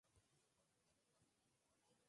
kudhubiti mauaji ya jamii hizi mbili